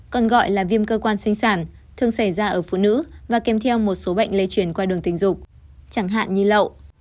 còn gọi là viêm cơ quan sinh sản thường xảy ra ở phụ nữ và kèm theo một số bệnh lây truyền qua đường tình dục chẳng hạn như lậu